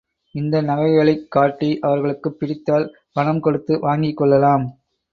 இந்த நகைகளைக் காட்டி அவர்களுக்குப் பிடித்தால் பணம் கொடுத்து வாங்கி கொள்ளலாம்.